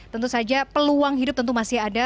tentu saja peluang hidup tentu masih ada